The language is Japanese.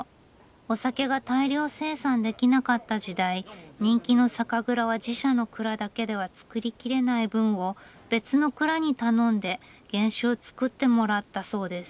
お酒が大量生産できなかった時代人気の酒蔵は自社の蔵だけでは造りきれない分を別の蔵に頼んで原酒を造ってもらったそうです。